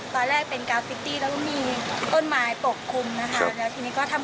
ตอนแรกเป็นกาฟิตี้แล้วก็มีต้นไมล์ปกคลุมนะคะ